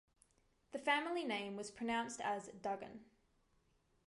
The family name was pronounced as "Duggan".